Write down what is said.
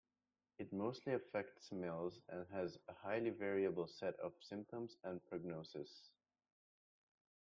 It mostly affects males and has a highly variable set of symptoms and prognoses.